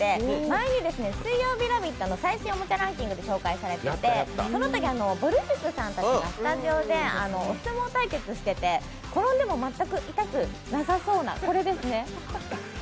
前に水曜日「ラヴィット！」の最新おもちゃランキングが紹介されてそのときぼる塾さんたちがスタジオでお相撲対決をしていて転んでも全く痛くなさそうな、これですね。